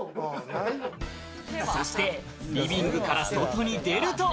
そして、リビングから外に出ると。